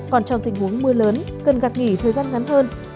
còn trong tình huống mưa lớn cần gạt nghỉ thời gian ngắn hơn